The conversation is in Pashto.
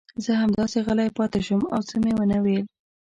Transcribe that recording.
زه همداسې غلی پاتې شوم او څه مې ونه ویل.